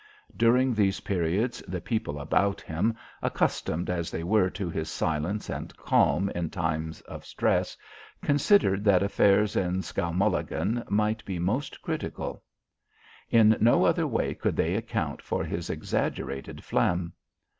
During these periods the people about him, accustomed as they were to his silence and calm in time of stress, considered that affairs in Skowmulligan might be most critical. In no other way could they account for this exaggerated phlegm.